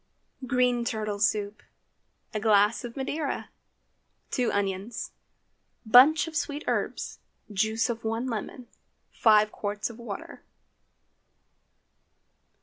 GREEN TURTLE SOUP. A glass of Madeira. 2 onions. Bunch of sweet herbs. Juice of one lemon. 5 qts of water.